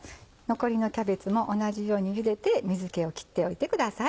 残りのキャベツも同じようにゆでて水気を切っておいてください。